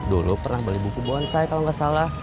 dulu pernah beli buku bonsai kalau nggak salah